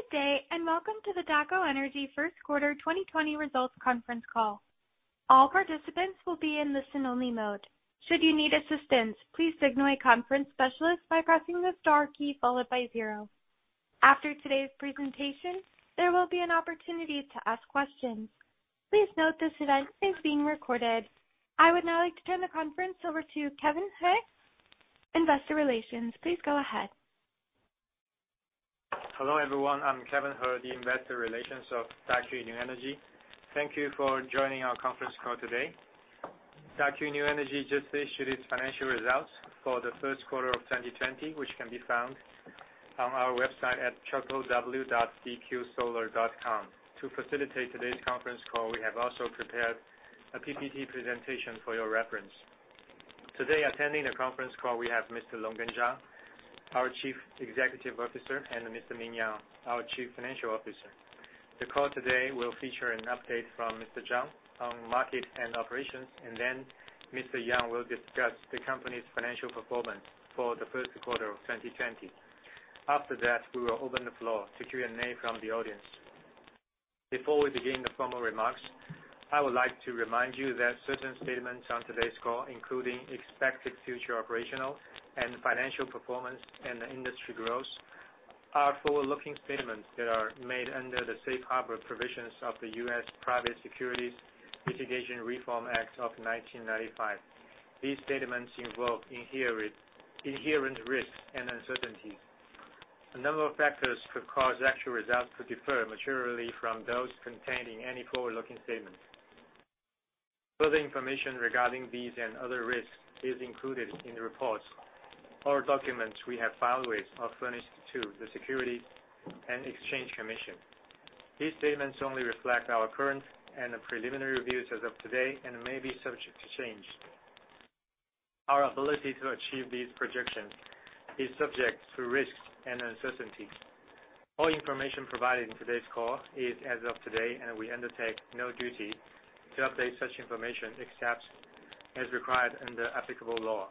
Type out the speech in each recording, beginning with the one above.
Good day, and welcome to the Daqo New Energy first quarter 2020 results conference call. All participants will be in the listen-only mode. Should you need assistance, please signal a conference specialist by pressing the star key followed by zero. After today's presentation, there will be an opportunity to ask questions. Please note this event is being recorded. I would now like to turn the conference over to Kevin He, Investor Relations. Please go ahead. Hello, everyone. I'm Kevin He, the Investor Relations of Daqo New Energy. Thank you for joining our conference call today. Daqo New Energy just issued its financial results for the first quarter of 2020, which can be found on our website at www.dqsolar.com. To facilitate today's conference call, we have also prepared a PPT presentation for your reference. Today, attending the conference call, we have Mr. Longgen Zhang, our Chief Executive Officer, and Mr. Ming Yang, our Chief Financial Officer. The call today will feature an update from Mr. Zhang on market and operations, and then Mr. Yang will discuss the company's financial performance for the first quarter of 2020. After that, we will open the floor to Q&A from the audience. Before we begin the formal remarks, I would like to remind you that certain statements on today's call, including expected future operational and financial performance and the industry growth, are forward-looking statements that are made under the safe harbor provisions of the U.S. Private Securities Litigation Reform Act of 1995. These statements involve inherent risks and uncertainties. A number of factors could cause actual results to differ materially from those contained in any forward-looking statement. Further information regarding these and other risks is included in the reports or documents we have filed with or furnished to the Securities and Exchange Commission. These statements only reflect our current and preliminary views as of today and may be subject to change. Our ability to achieve these projections is subject to risks and uncertainties. All information provided in today's call is as of today, and we undertake no duty to update such information except as required under applicable law.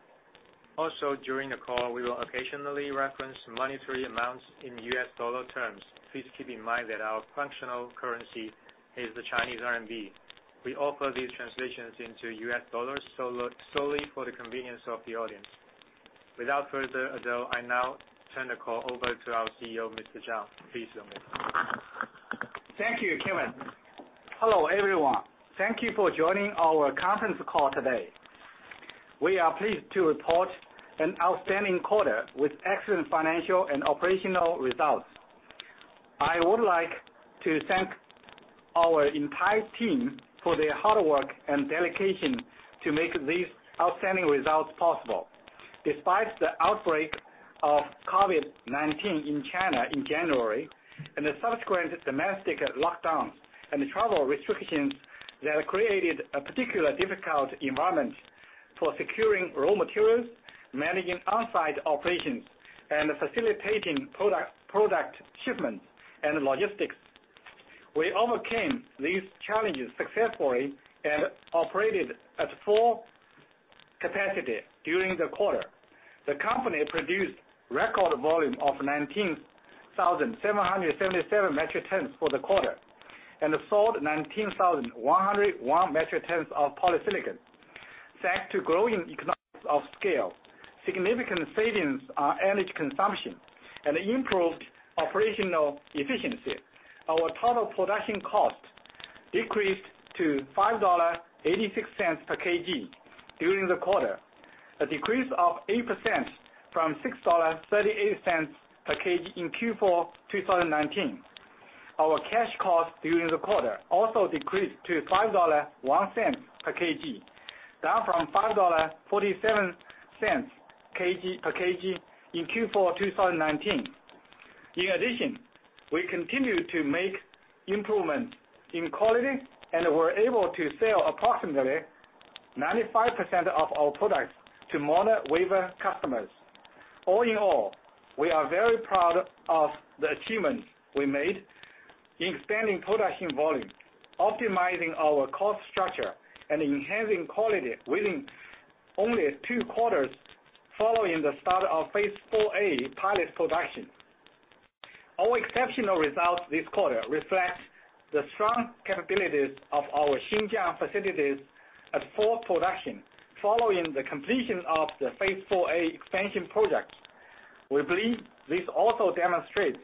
During the call, we will occasionally reference monetary amounts in U.S. dollar terms. Please keep in mind that our functional currency is the Chinese RMB. We offer these translations into U.S. dollars solely for the convenience of the audience. Without further ado, I now turn the call over to our CEO, Mr. Zhang. Please go ahead. Thank you, Kevin. Hello, everyone. Thank you for joining our conference call today. We are pleased to report an outstanding quarter with excellent financial and operational results. I would like to thank our entire team for their hard work and dedication to make these outstanding results possible. Despite the outbreak of COVID-19 in China in January and the subsequent domestic lockdown and travel restrictions that created a particular difficult environment for securing raw materials, managing on-site operations, and facilitating product shipments and logistics, we overcame these challenges successfully and operated at full capacity during the quarter. The company produced record volume of 19,777 metric tons for the quarter and sold 19,101 metric tons of polysilicon. Thanks to growing economies of scale, significant savings on energy consumption, and improved operational efficiency, our total production cost decreased to $5.86 per kg during the quarter, a decrease of 8% from $6.38 per kg in Q4 2019. Our cash cost during the quarter also decreased to $5.01 per kg, down from $5.47 per kg in Q4 2019. We continued to make improvements in quality, and were able to sell approximately 95% of our products to mono-wafer customers. We are very proud of the achievements we made in expanding production volume, optimizing our cost structure, and enhancing quality within only two quarters following the start of Phase 4A pilot production. Our exceptional results this quarter reflects the strong capabilities of our Xinjiang facilities at full production following the completion of the Phase 4A expansion project. We believe this also demonstrates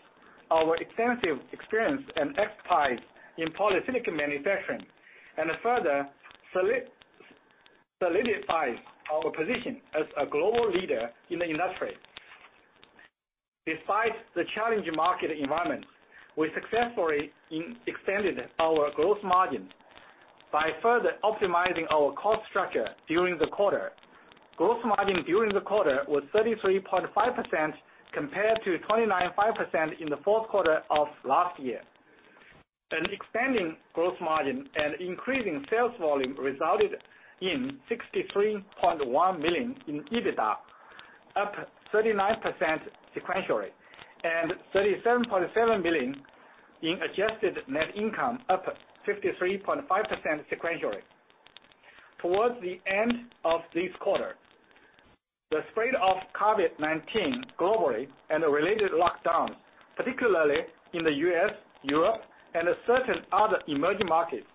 our extensive experience and expertise in polysilicon manufacturing and further solidifies our position as a global leader in the industry. Despite the challenging market environment, we successfully extended our gross margin by further optimizing our cost structure during the quarter. Gross margin during the quarter was 33.5% compared to 29.5% in the fourth quarter of last year. An expanding gross margin and increasing sales volume resulted in 63.1 million in EBITDA, up 39% sequentially, and 37.7 million in adjusted net income, up 53.5% sequentially. Towards the end of this quarter, the spread of COVID-19 globally and the related lockdowns, particularly in the U.S., Europe, and certain other emerging markets,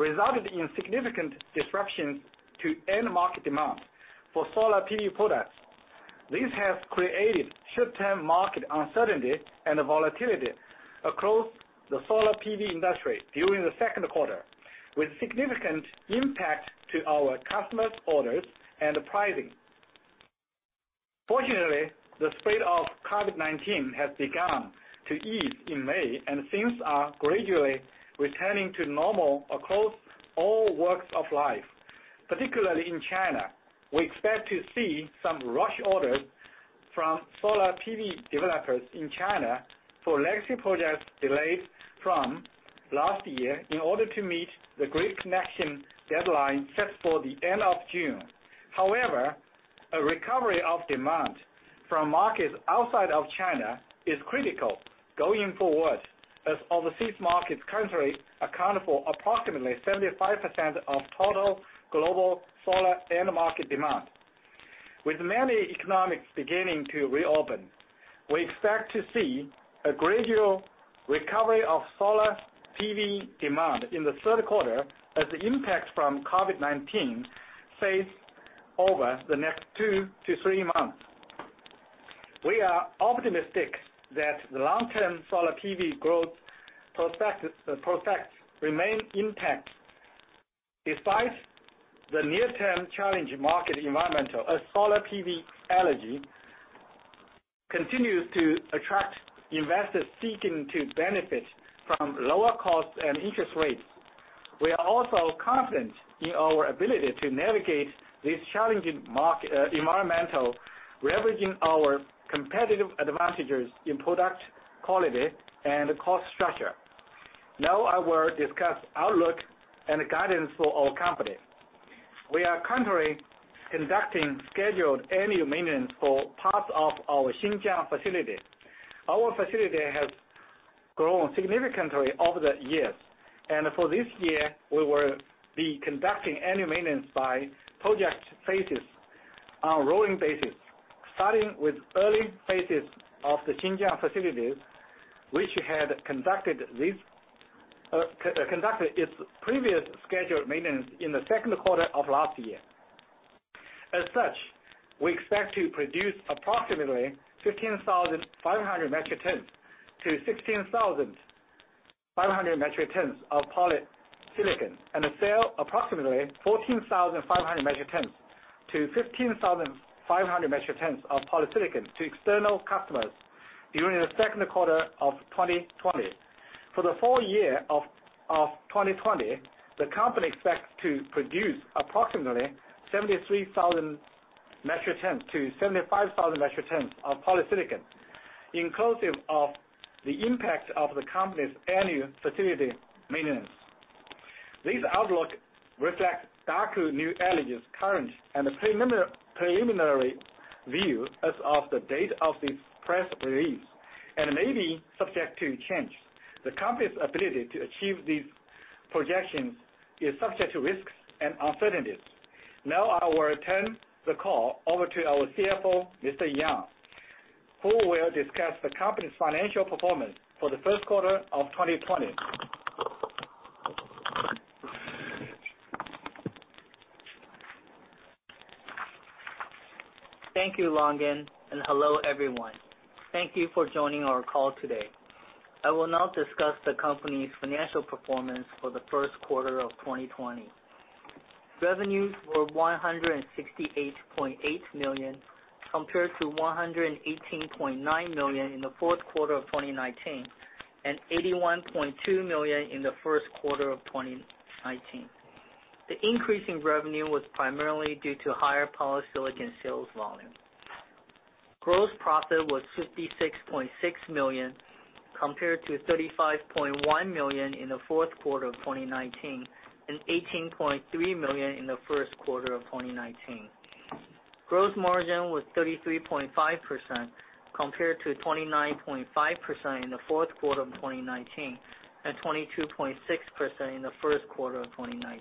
resulted in significant disruptions to end market demand for solar PV products. This has created short-term market uncertainty and volatility across the solar PV industry during the second quarter, with significant impact to our customers' orders and pricing. Fortunately, the spread of COVID-19 has begun to ease in May, and things are gradually returning to normal across all walks of life. Particularly in China, we expect to see some rush orders from solar PV developers in China for legacy projects delayed from last year in order to meet the grid connection deadline set for the end of June. However, a recovery of demand from markets outside of China is critical going forward, as overseas markets currently account for approximately 75% of total global solar end market demand. With many economies beginning to reopen, we expect to see a gradual recovery of solar PV demand in the third quarter as the impact from COVID-19 fades over the next two to three months. We are optimistic that the long-term solar PV growth prospects remain intact. Despite the near-term challenging market environment, as solar PV energy continues to attract investors seeking to benefit from lower costs and interest rates. We are also confident in our ability to navigate this challenging market, environmental, leveraging our competitive advantages in product quality and cost structure. Now I will discuss outlook and guidance for our company. We are currently conducting scheduled annual maintenance for parts of our Xinjiang facility. Our facility has grown significantly over the years, and for this year, we will be conducting annual maintenance by project phases on a rolling basis, starting with early phases of the Xinjiang facilities, which had conducted its previous scheduled maintenance in the second quarter of last year. As such, we expect to produce approximately 15,500 metric tons-16,500 metric tons of polysilicon and sell approximately 14,500 metric tons-15,500 metric tons of polysilicon to external customers during the second quarter of 2020. For the full year of 2020, the company expects to produce approximately 73,000 metric tons-75,000 metric tons of polysilicon, inclusive of the impact of the company's annual facility maintenance. This outlook reflects Daqo New Energy's current and preliminary view as of the date of this press release and may be subject to change. The company's ability to achieve these projections is subject to risks and uncertainties. Now I will turn the call over to our CFO, Mr. Yang, who will discuss the company's financial performance for the first quarter of 2020. Thank you, Longgen, and hello, everyone. Thank you for joining our call today. I will now discuss the company's financial performance for the first quarter of 2020. Revenues were $168.8 million, compared to $118.9 million in the fourth quarter of 2019, and $81.2 million in the first quarter of 2019. The increase in revenue was primarily due to higher polysilicon sales volume. Gross profit was $56.6 million, compared to $35.1 million in the fourth quarter of 2019, and $18.3 million in the first quarter of 2019. Gross margin was 33.5%, compared to 29.5% in the fourth quarter of 2019, and 22.6% in the first quarter of 2019.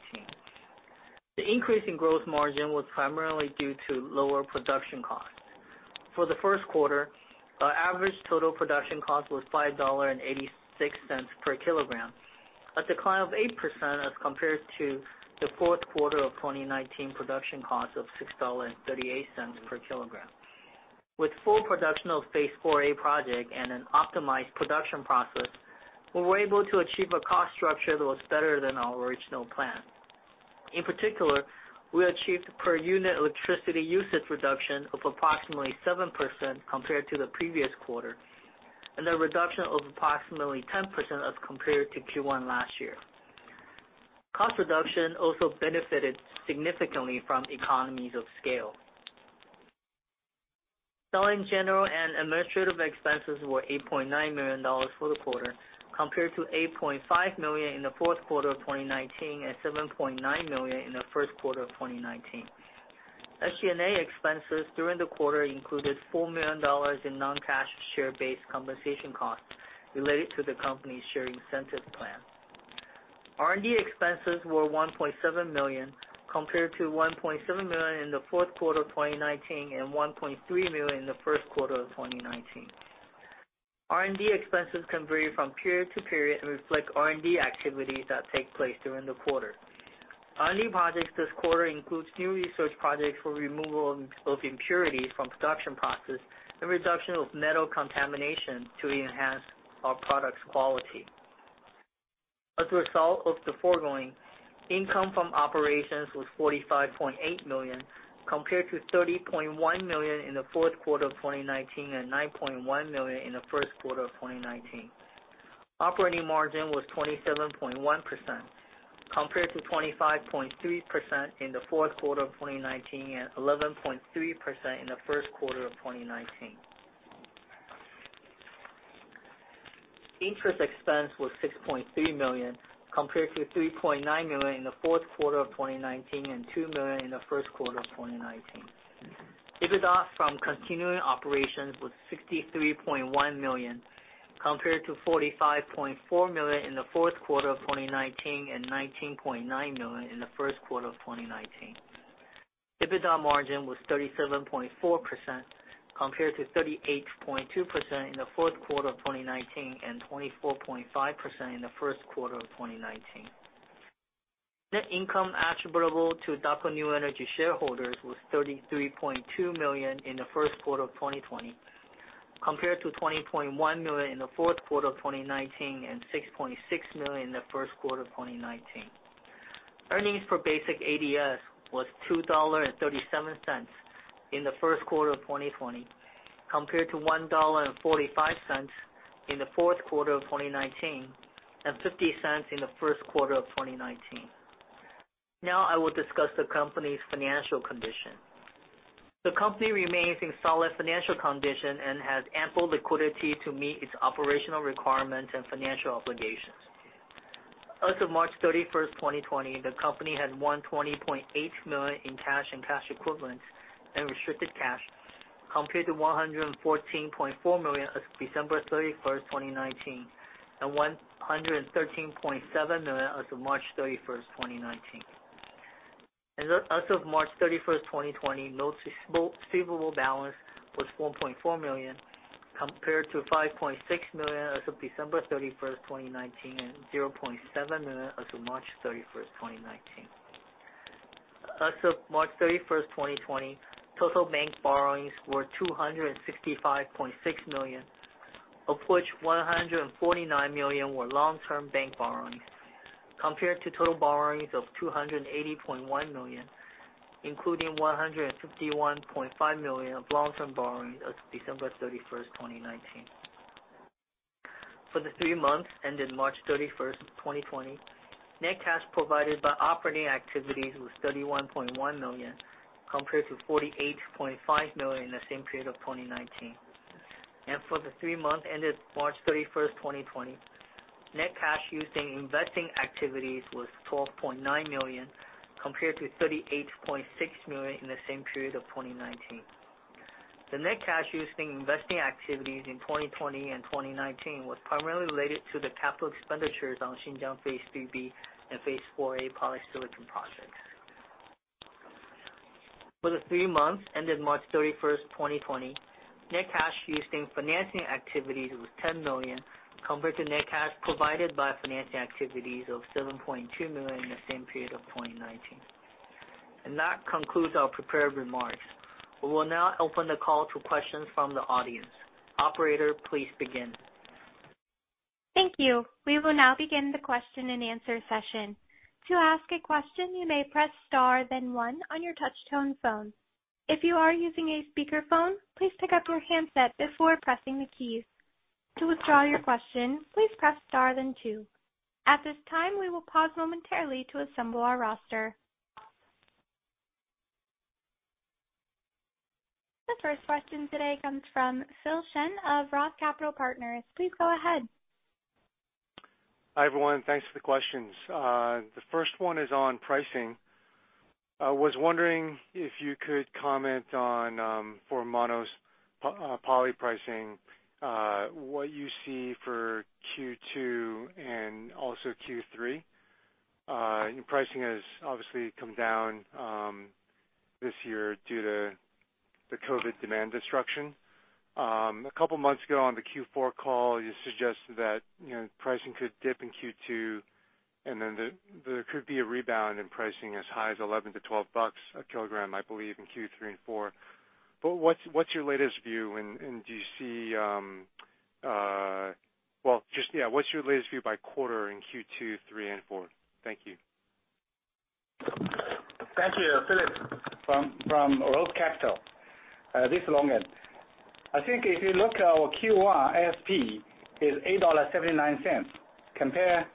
The increase in gross margin was primarily due to lower production costs. For the first quarter, our average total production cost was $5.86 per kg, a decline of 8% as compared to the fourth quarter of 2019 production cost of $6.38 per kg. With full production of Phase 4A project and an optimized production process, we were able to achieve a cost structure that was better than our original plan. In particular, we achieved per unit electricity usage reduction of approximately 7% compared to the previous quarter, and a reduction of approximately 10% as compared to Q1 last year. Cost reduction also benefited significantly from economies of scale. Selling, general, and administrative expenses were $8.9 million for the quarter, compared to $8.5 million in the fourth quarter of 2019 and $7.9 million in the first quarter of 2019. SG&A expenses during the quarter included $4 million in non-cash share-based compensation costs related to the company's share incentive plan. R&D expenses were $1.7 million, compared to $1.7 million in the fourth quarter of 2019 and $1.3 million in the first quarter of 2019. R&D expenses can vary from period to period and reflect R&D activities that take place during the quarter. R&D projects this quarter includes new research projects for removal of impurities from production process and reduction of metal contamination to enhance our products' quality. As a result of the foregoing, income from operations was 45.8 million, compared to 30.1 million in the fourth quarter of 2019 and 9.1 million in the first quarter of 2019. Operating margin was 27.1%, compared to 25.3% in the fourth quarter of 2019 and 11.3% in the first quarter of 2019. Interest expense was CNY 6.3 million, compared to CNY 3.9 million in the fourth quarter of 2019 and CNY 2 million in the first quarter of 2019. EBITDA from continuing operations was CNY 63.1 million, compared to CNY 45.4 million in the fourth quarter of 2019 and CNY 19.9 million in the first quarter of 2019. EBITDA margin was 37.4%, compared to 38.2% in the fourth quarter of 2019 and 24.5% in the first quarter of 2019. Net income attributable to Daqo New Energy shareholders was $33.2 million in the first quarter of 2020, compared to $20.1 million in the fourth quarter of 2019 and $6.6 million in the first quarter of 2019. Earnings per basic ADS was $2.37 in the first quarter of 2020, compared to $1.45 in the fourth quarter of 2019 and $0.50 in the first quarter of 2019. I will discuss the company's financial condition. The company remains in solid financial condition and has ample liquidity to meet its operational requirements and financial obligations. As of March 31, 2020, the company had 120.8 million in cash and cash equivalents and restricted cash, compared to 114.4 million as of December 31, 2019, and 113.7 million as of March 31, 2019. As of March 31, 2020, notes receivable balance was 1.4 million, compared to 5.6 million as of December 31, 2019, and 0.7 million as of March 31, 2019. As of March 31, 2020, total bank borrowings were 265.6 million, of which 149 million were long-term bank borrowings, compared to total borrowings of 280.1 million, including 151.5 million of long-term borrowings as of December 31, 2019. For the three months ended March 31, 2020, net cash provided by operating activities was 31.1 million, compared to 48.5 million in the same period of 2019. For the three months ended March 31, 2020, net cash used in investing activities was 12.9 million, compared to 38.6 million in the same period of 2019. The net cash used in investing activities in 2020 and 2019 was primarily related to the capital expenditures on Xinjiang Phase 3B and Phase 4A polysilicon projects. For the three months ended March 31, 2020, net cash used in financing activities was 10 million, compared to net cash provided by financing activities of 7.2 million in the same period of 2019. That concludes our prepared remarks. We will now open the call to questions from the audience. Operator, please begin. Thank you. We will now begin the question-and-answer session. To ask a question, you may press star then 1 on your touchtone phone. If you are using a speakerphone, please pick up your handset before pressing the keys. To withdraw your question, please press star then 2. At this time, we will pause momentarily to assemble our roster. The first question today comes from Philip Shen of ROTH Capital Partners. Please go ahead. Hi, everyone. Thanks for the questions. The first one is on pricing. I was wondering if you could comment on for mono/poly pricing, what you see for Q2 and also Q3. Pricing has obviously come down this year due to the COVID-19 demand destruction. A couple of months ago on the Q4 call, you know, you suggested that pricing could dip in Q2, and then there could be a rebound in pricing as high as $11-$12 a kilogram, I believe, in Q3 and Q4. What's your latest view, and do you see, Well, just, yeah, what's your latest view by quarter in Q2, 3 and 4? Thank you. Thank you, Philip from ROTH Capital. This is Longgen. I think if you look at our Q1 ASP is $8.79, compare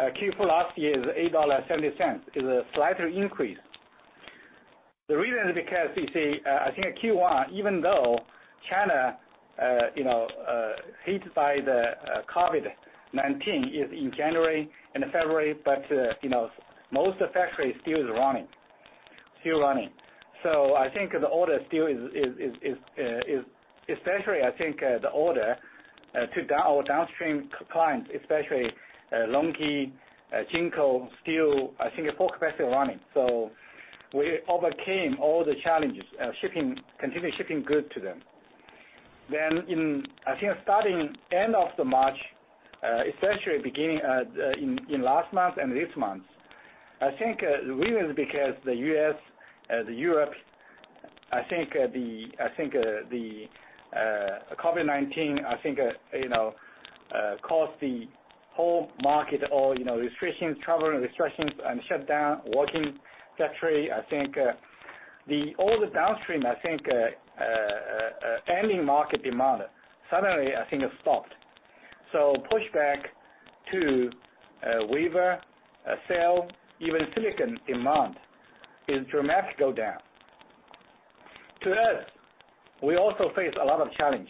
Q4 last year is $8.70. It's a slight increase. The reason is because you see, I think at Q1, even though China- You know, hit by the COVID-19 in January and February, you know, most of factory still is running. Still running. I think the order still is essentially I think the order to our downstream clients, especially LONGi, Jinko, still I think full capacity running. We overcame all the challenges, shipping, continue shipping good to them. In, I think starting end of the March, essentially beginning in last month and this month, I think the reason is because the U.S., the Europe, I think the COVID-19, you know, caused the whole market all, you know, restrictions, travel restrictions and shutdown working factory. I think, the all the downstream, ending market demand, suddenly it stopped. Push back to, wafer, cell, even silicon demand is dramatically go down. To us, we also face a lot of challenge.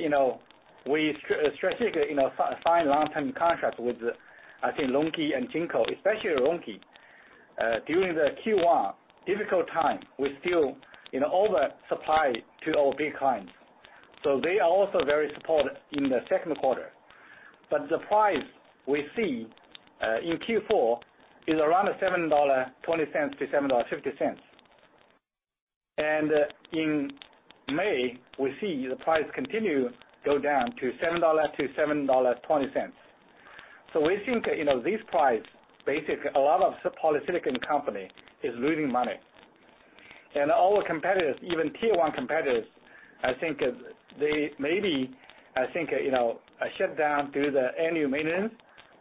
You know, we strategically, you know, sign long-term contract with, I think LONGi and Jinko, especially LONGi. During the Q1, difficult time, we still, you know, oversupply to our big clients. They are also very supported in the second quarter. The price we see, in Q4 is around $7.20-$7.50. In May, we see the price continue go down to $7-$7.20. We think, you know, this price, basically a lot of polysilicon company is losing money. All the competitors, even Tier 1 competitors, I think, they maybe shut down due to the annual maintenance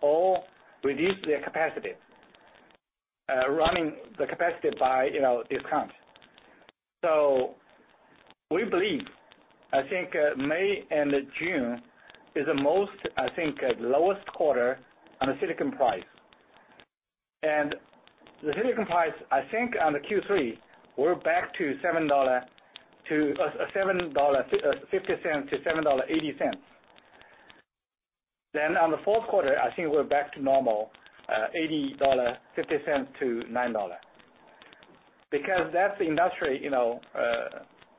or reduce their capacity, running the capacity by discount. We believe, I think, May and June is the most lowest quarter on the polysilicon price. The polysilicon price, I think on Q3, we're back to $7.50-$7.80. On the fourth quarter, I think we're back to normal, $8.50-$9. That's the industry, you know,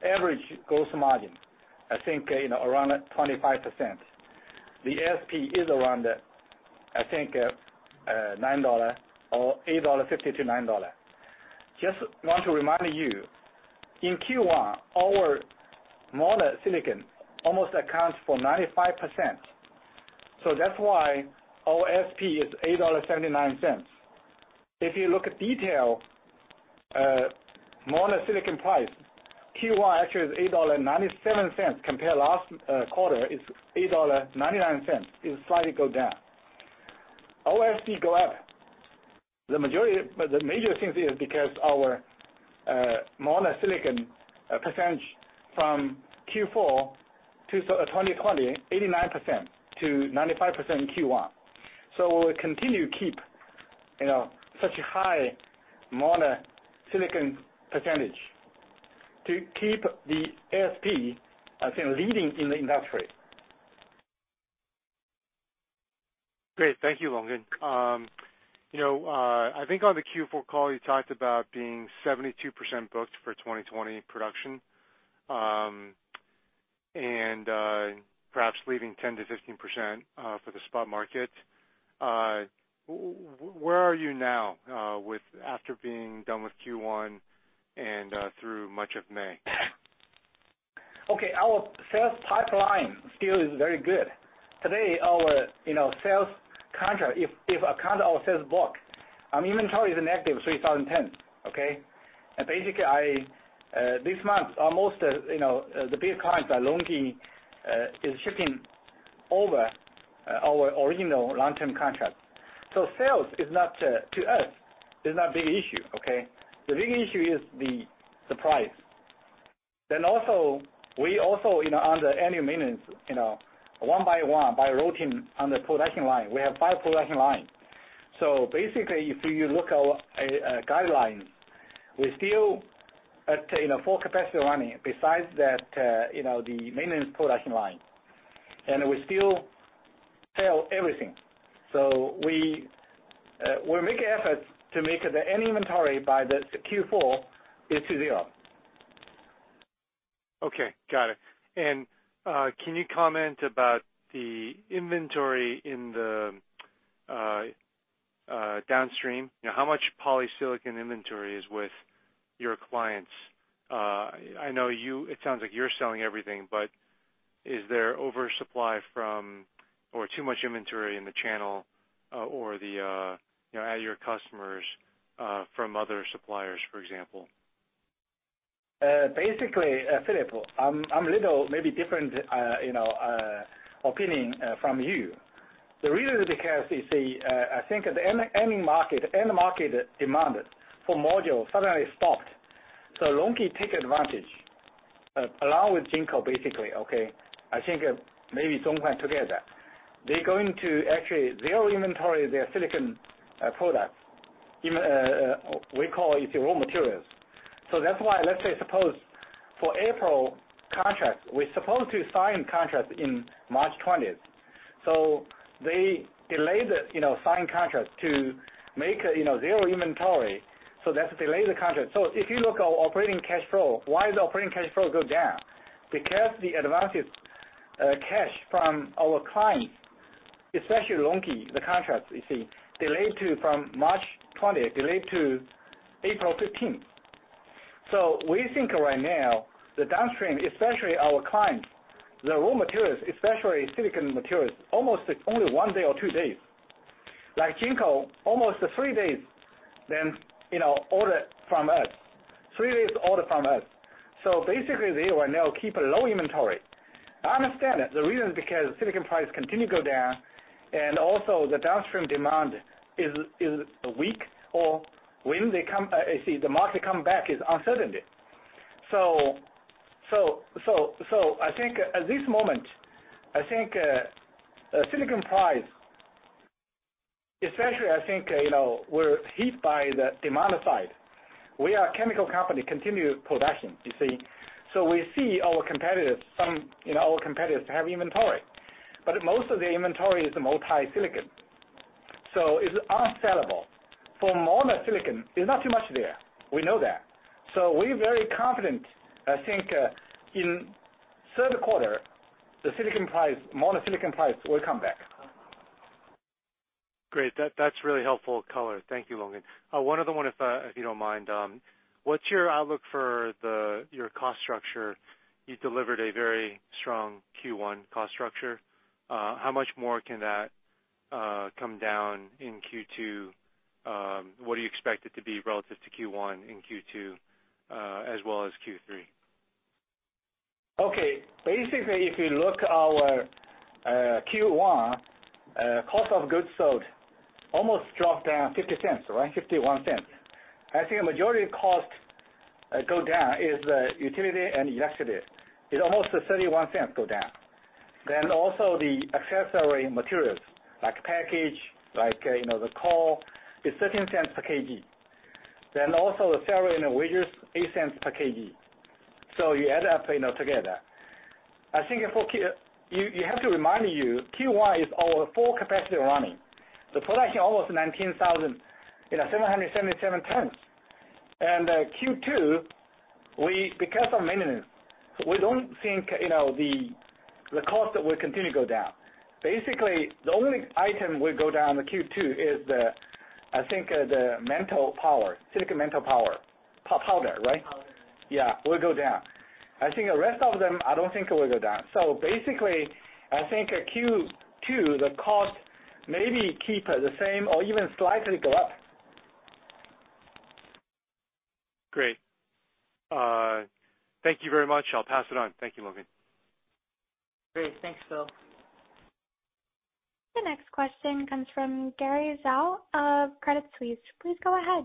average gross margin, I think, around 25%. The ASP is around $9 or $8.50-$9. Just want to remind you, in Q1, our mono-silicon almost accounts for 95%. That's why our ASP is $8.79. If you look at detail, mono-silicon price, Q1 actually is $8.97 compare last quarter is $8.99. It slightly go down. Our ASP go up. The major thing is because our mono-silicon percentage from Q4 to 2020, 89% to 95% Q1. We continue keep, you know, such high mono-silicon percentage to keep the ASP, I think, leading in the industry. Great. Thank you, Longgen. You know, I think on the Q4 call, you talked about being 72% booked for 2020 production. Perhaps leaving 10%-15% for the spot market. Where are you now with after being done with Q1 and through much of May? Okay. Our sales pipeline still is very good. Today, our, you know, sales contract, if I count our sales book, inventory is a negative 3,010, okay. Basically, I, this month, our most, you know, the big clients are LONGi, is shipping over our original long-term contract. Sales is not, to us, is not big issue, okay. The big issue is the price. Also, we also, you know, under annual maintenance, you know, one by one, rotating on the production line, we have five production lines. Basically, if you look our guidelines, we still at, you know, full capacity running besides that, you know, the maintenance production line. We still sell everything. We, we're making efforts to make the end inventory by the Q4 be to zero. Okay. Got it. Can you comment about the inventory in the downstream? You know, how much polysilicon inventory is with your clients? I know it sounds like you're selling everything, but is there oversupply from or too much inventory in the channel, or the, you know, at your customers, from other suppliers, for example? Philip, I'm a little maybe different, you know, opinion from you. The reason is because you see, I think the end market demand for module suddenly stopped. LONGi take advantage, along with Jinko, basically, okay? I think, maybe Zhongneng together. They're going to Actually, their inventory, their silicon products. Even we call it the raw materials. That's why let's say suppose for April contracts, we're supposed to sign contracts in March 20th. They delay the, you know, sign contracts to make, you know, zero inventory, let's delay the contract. If you look at our operating cash flow, why is the operating cash flow go down? The advances, cash from our clients, especially LONGi, the contracts, you see, delayed to from March 20, delayed to April 15th. We think right now the downstream, especially our clients, the raw materials, especially polysilicon materials, almost it's only one day or two days. Like Jinko, almost three days then, you know, order from us. Three days order from us. Basically they will now keep a low inventory. I understand that the reason is because polysilicon prices continue to go down, and also the downstream demand is weak or when they come, you see, the market come back is uncertainty. I think at this moment, I think, polysilicon price, especially I think, you know, we're hit by the demand side. We are chemical company, continue production, you see. We see our competitors, some, you know, old competitors have inventory. Most of the inventory is multi-silicon. It's unsellable. For mono-silicon, there's not too much there. We know that. We're very confident, I think, in third quarter, the silicon price, mono-silicon price will come back. Great. That's really helpful color. Thank you, Longgen. One other one if you don't mind. What's your outlook for your cost structure? You delivered a very strong Q1 cost structure. How much more can that come down in Q2? What do you expect it to be relative to Q1 and Q2, as well as Q3? Okay. Basically, if you look our Q1 cost of goods sold almost dropped down 0.50, right? 0.51. I think a majority cost go down is the utility and electricity. It's almost 0.31 go down. The accessory materials, like package, like, you know, the coal, it's 0.13 per kg. The salary and wages, 0.08 per kg. You add up, you know, together. I think for Q You, you have to remind you, Q1 is our full capacity running. The production almost 19,000, you know, 777 tons. Q2, we because of maintenance, we don't think, you know, the cost will continue to go down. Basically, the only item will go down the Q2 is, I think, the silicon metal powder, right? Powder, yes. Yeah. Will go down. I think the rest of them, I don't think it will go down. Basically, I think Q2, the cost maybe keep the same or even slightly go up. Great. Thank you very much. I'll pass it on. Thank you, Longgen Zhang. Great. Thanks, Phil. The next question comes from Gary Zhou of Credit Suisse. Please go ahead.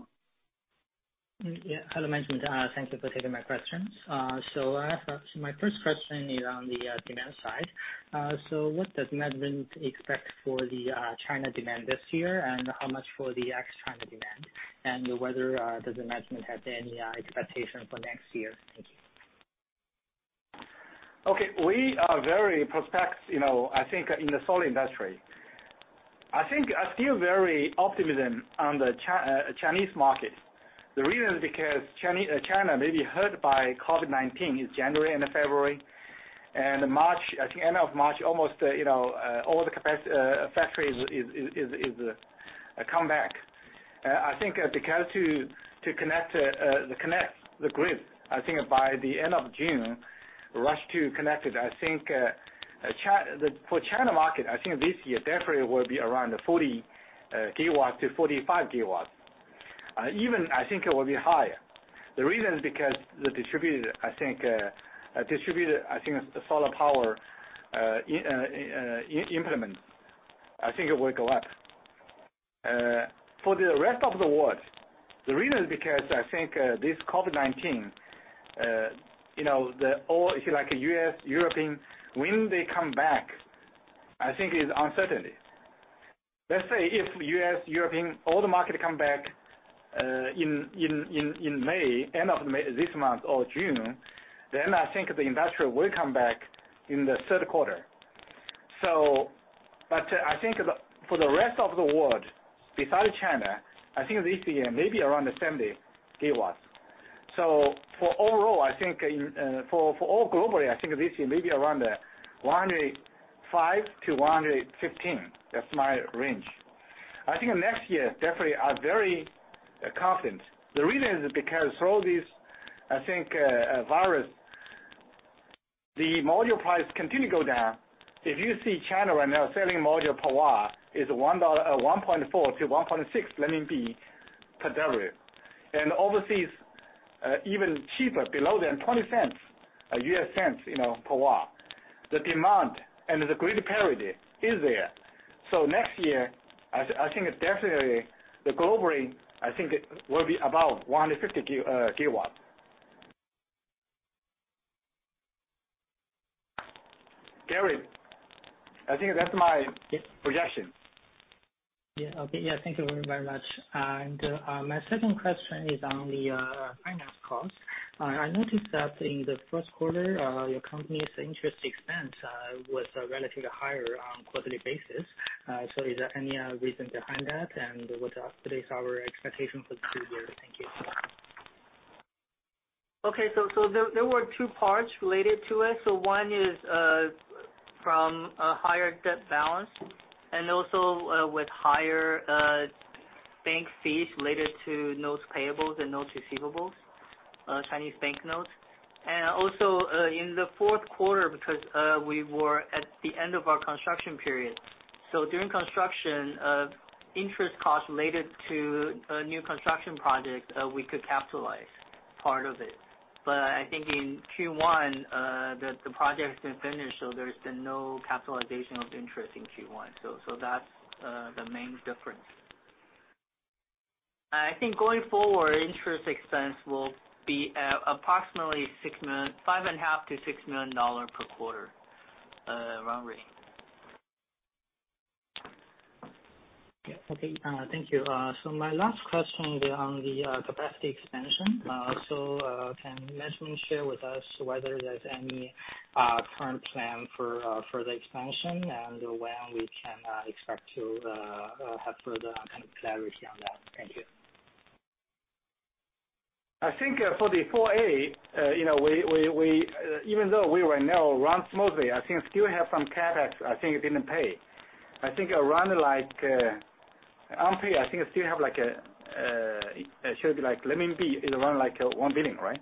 Yeah. Hello, Longgen. Thank you for taking my questions. My first question is on the demand side. What does management expect for the China demand this year, and how much for the ex-China demand? Whether does the management have any expectation for next year? Thank you. Okay. We are very prospect, you know, I think in the solar industry. I think I feel very optimism on the Chinese market. The reason is because China may be hurt by COVID-19 in January and February, and March, I think end of March, almost, you know, all the factories is come back. I think because to connect the grid, I think by the end of June, rush to connect it. I think For China market, I think this year definitely will be around 40 GW-45 GW. Even I think it will be higher. The reason is because the distributed, I think, distributed, I think the solar power implement. I think it will go up. For the rest of the world, the reason is because I think this COVID-19, you know, the all, if you like U.S., European, when they come back, I think it's uncertainty. Let's say if U.S., European, all the market come back in May, end of May, this month or June, I think the industry will come back in the third quarter. I think the, for the rest of the world, besides China, I think this year maybe around 70 GW. For overall, I think in, for all globally, I think this year maybe around 105 GW-115 GW. That's my range. I think next year definitely I'm very confident. The reason is because through this, I think virus, the module price continue to go down. If you see China right now selling module per watt is 1.4-1.6 renminbi per watt. Overseas, even cheaper, below $0.20, you know, per watt. The demand and the grid parity is there. Next year, I think it's definitely globally, I think it will be about 150 GW. Yeah -projection. Yeah. Okay. Yeah, thank you very, very much. My second question is on the finance cost. I noticed that in the first quarter, your company's interest expense was relatively higher on quarterly basis. Is there any reason behind that, and what is our expectation for the full year? Thank you. There were two parts related to it. One is from a higher debt balance, and also with higher bank fees related to notes payables and notes receivables, Chinese bank notes. Also, in the fourth quarter, because we were at the end of our construction period. During construction, interest costs related to a new construction project, we could capitalize part of it. I think in Q1, the project has been finished, there's been no capitalization of interest in Q1. That's the main difference. I think going forward, interest expense will be at approximately $5.5 million-$6 million per quarter run rate. Yeah. Okay. Thank you. My last question will be on the capacity expansion. Can management share with us whether there's any current plan for further expansion and when we can expect to have further kind of clarity on that? Thank you. I think, for the 4A, you know, we even though we right now run smoothly, I think still have some CapEx I think didn't pay. I think around like unpaid, I think still have like should be like 1 billion, right?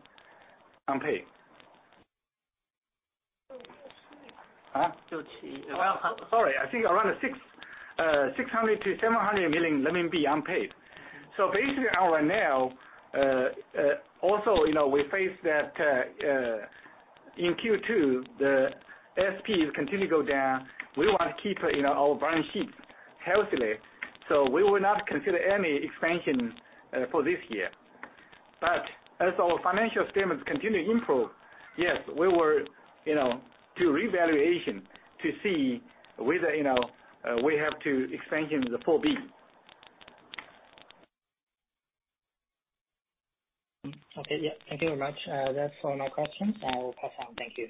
Unpaid. So Huh? So she around- Sorry. I think around 600 million-700 RMB millio unpaid. Basically, right now, also, you know, we face that in Q2, the SPs continue go down. We want to keep, you know, our balance sheet healthily. We will not consider any expansion for this year. As our financial statements continue improve, yes, we will, you know, do revaluation to see whether, you know, we have to expansion the 4B. Okay. Yeah. Thank you very much. That's all my questions. I will pass on. Thank you.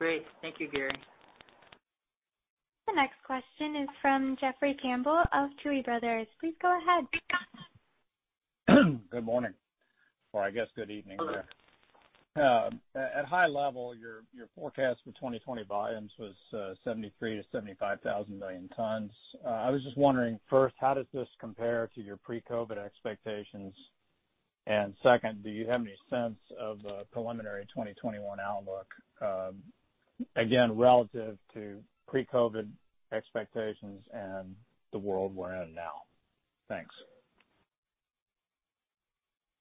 Great. Thank you, Gary. The next question is from Jeffrey Campbell of Tuohy Brothers. Please go ahead. Good morning. I guess good evening. Good evening. at high level, your forecast for 2020 volumes was 73,000 million tons-75,000 million tons. I was just wondering, first, how does this compare to your pre-COVID-19 expectations? Second, do you have any sense of a preliminary 2021 outlook, again, relative to pre-COVID-19 expectations and the world we're in now? Thanks.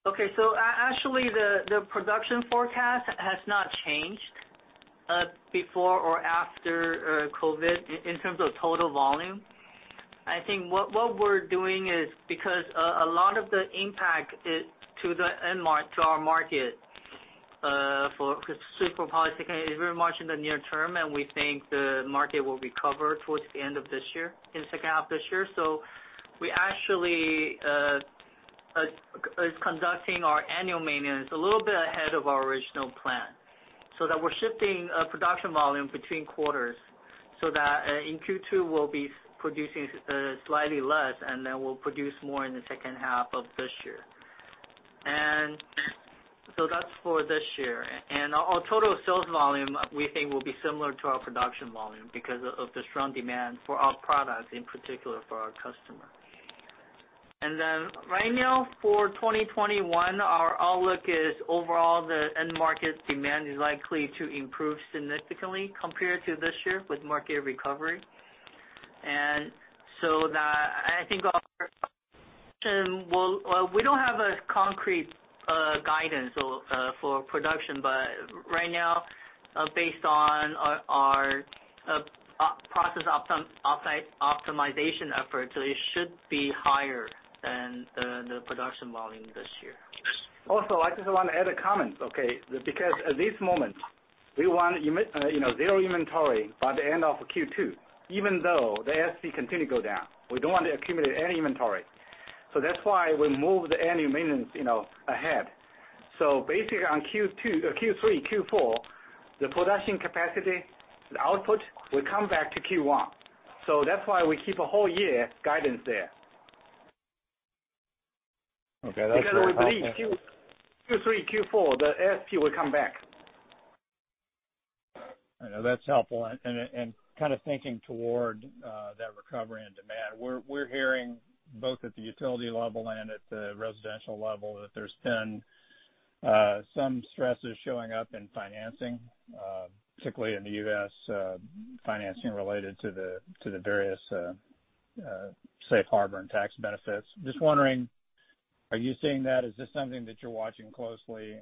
Okay. Actually, the production forecast has not changed before or after COVID-19 in terms of total volume. I think what we're doing is because a lot of the impact is to the end market, to our market, for, because polysilicon is very much in the near term, and we think the market will recover towards the end of this year, in second half this year. We actually is conducting our annual maintenance a little bit ahead of our original plan, so that we're shifting production volume between quarters so that in Q2, we'll be producing slightly less, and then we'll produce more in the second half of this year. That's for this year. Our, our total sales volume, we think will be similar to our production volume because of the strong demand for our products, in particular for our customer. Right now for 2021, our outlook is overall the end market demand is likely to improve significantly compared to this year with market recovery. That I think our will, we don't have a concrete guidance or for production, but right now, based on our process optimization efforts, it should be higher than the production volume this year. I just want to add a comment, okay? At this moment, we want zero inventory by the end of Q2. Even though the SP continue go down, we don't want to accumulate any inventory. That's why we moved the annual maintenance, you know, ahead. Basically, on Q2, Q3, Q4, the production capacity output will come back to Q1. That's why we keep a whole year guidance there. Okay. That's very helpful. We believe Q3, Q4, the SP will come back. I know that's helpful. Kind of thinking toward that recovery and demand, we're hearing both at the utility level and at the residential level that there's been some stresses showing up in financing, particularly in the U.S., financing related to the various safe harbor and tax benefits. Just wondering, are you seeing that? Is this something that you're watching closely?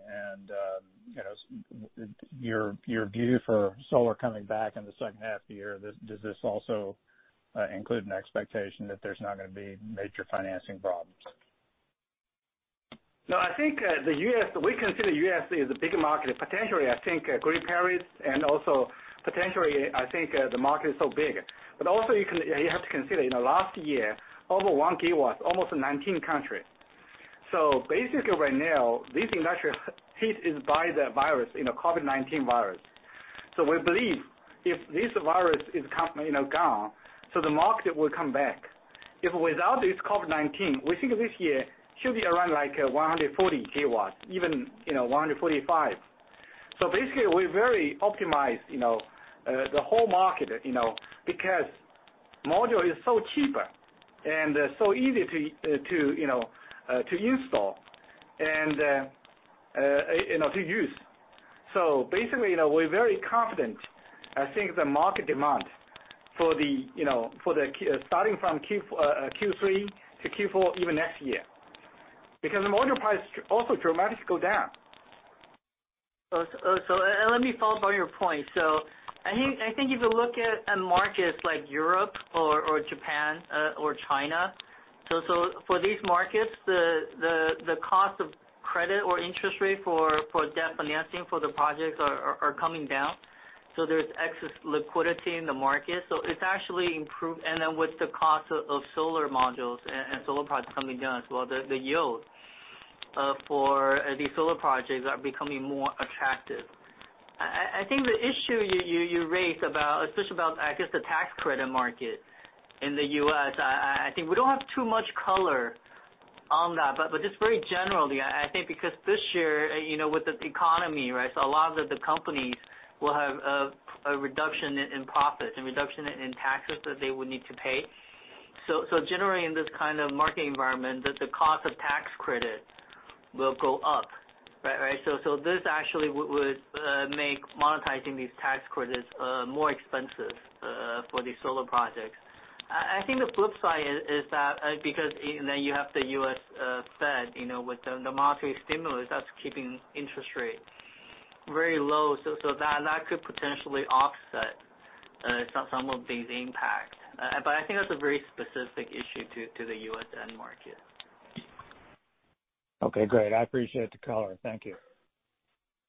You know, your view for solar coming back in the second half of the year, does this also include an expectation that there's not gonna be major financing problems? No, I think, the U.S. we consider U.S. is a big market. Potentially, I think, Paris Agreement and also potentially, I think, the market is so big. Also you have to consider, you know, last year, over 1 GW, almost 19 countries. Basically right now, this industry hit is by the virus, you know, COVID-19 virus. We believe if this virus is come, you know, gone, the market will come back. If without this COVID-19, we think this year should be around like, 140 GW even, you know, 145 GW. Basically, we're very optimistic, you know, the whole market, you know, because module is so cheaper and, so easy to, you know, to install and, you know, to use. Basically, you know, we're very confident. I think the market demand for the, you know, starting from Q3 to Q4, even next year. The module price also dramatically go down. Let me follow up on your point. I think if you look at markets like Europe or Japan or China, for these markets, the cost of credit or interest rate for debt financing for the projects are coming down. There's excess liquidity in the market. It's actually improved. With the cost of solar modules and solar projects coming down as well, the yield for these solar projects are becoming more attractive. I think the issue you raised about, especially about, I guess, the tax credit market in the U.S., I think we don't have too much color on that. Just very generally, I think because this year, you know, with the economy, right? A lot of the companies will have a reduction in profit and reduction in taxes that they would need to pay. Generally in this kind of market environment, the cost of tax credit will go up. This actually would make monetizing these tax credits more expensive for these solar projects. I think the flip side is that because, you know, you have the U.S. Fed, you know, with the monetary stimulus that's keeping interest rates very low. That could potentially offset some of these impacts. But I think that's a very specific issue to the U.S. end market. Okay, great. I appreciate the color. Thank you.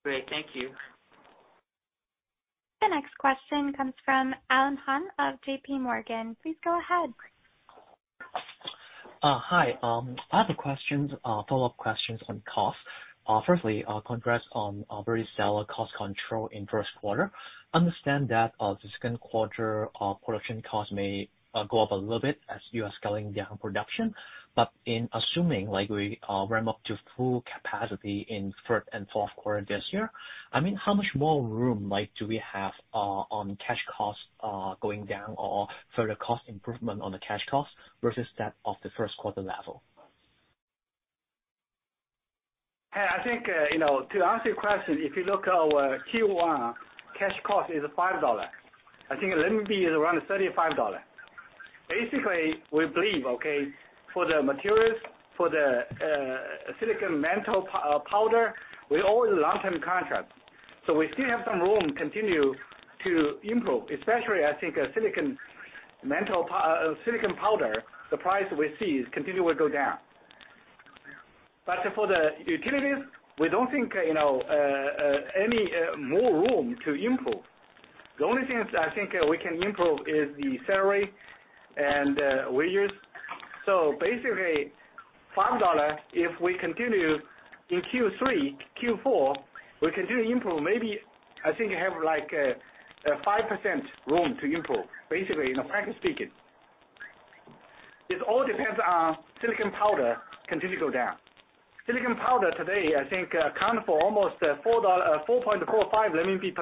Great. Thank you. The next question comes from Alan Hon of JPMorgan. Please go ahead. Hi. I have a question, follow-up question on costs. Firstly, congrats on a very stellar cost control in first quarter. Understand that, the second quarter production costs may go up a little bit as you are scaling down production. In assuming like we ramp up to full capacity in third and fourth quarter this year, I mean, how much more room like do we have on cash costs going down or further cost improvement on the cash costs versus that of the first quarter level? Hey, I think, you know, to answer your question, if you look our Q1 cash cost is CNY 5. I think renminbi is around CNY 35. We believe, okay, for the materials, for the silicon metal powder, we all in long-term contract. We still have some room continue to improve, especially I think silicon metal powder, the price we see is continually go down. For the utilities, we don't think, you know, any more room to improve. The only thing is I think, we can improve is the salary and wages. Basically CNY 5, if we continue in Q3, Q4, we continue to improve maybe I think have like a 5% room to improve basically, you know, frankly speaking. It all depends on silicon metal powder continue to go down. Silicon powder today, I think, account for almost, 13.32 renminbi